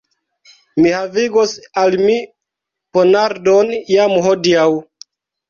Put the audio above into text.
Mi havigos al mi ponardon jam hodiaŭ.